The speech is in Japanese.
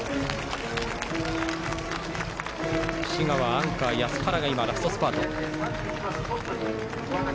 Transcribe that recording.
滋賀はアンカー、安原がラストスパート。